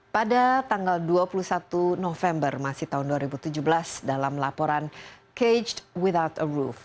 pada tanggal dua puluh satu november masih tahun dua ribu tujuh belas dalam laporan cage without aroove